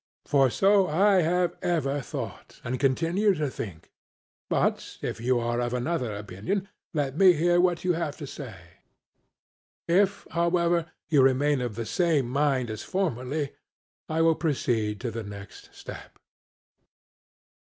For so I have ever thought, and continue to think; but, if you are of another opinion, let me hear what you have to say. If, however, you remain of the same mind as formerly, I will proceed to the next step.